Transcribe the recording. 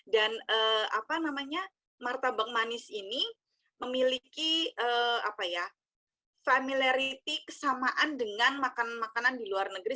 dan martabak manis ini memiliki familiarity kesamaan dengan makanan makanan di luar negeri